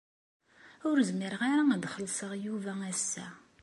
Ur zmireɣ ara ad xellṣeɣ Yuba ass-a.